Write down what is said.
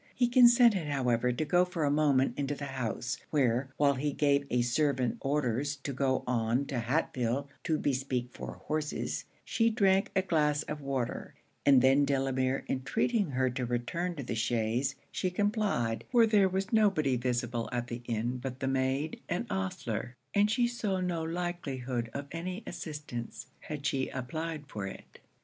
He consented however to go for a moment into the house, where, while he gave a servant orders to go on to Hatfield to bespeak four horses, she drank a glass of water; and then Delamere intreating her to return to the chaise, she complied, for there was nobody visible at the inn but the maid and ostler; and she saw no likelihood of any assistance, had she applied for it.